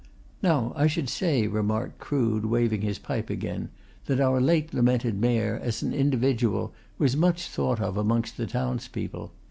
"Now, I should say," remarked Crood, waving his pipe again, "that our late lamented Mayor, as an individual, was much thought of amongst the townspeople.